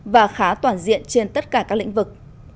và khá toàn diện trên tất cả các lĩnh vực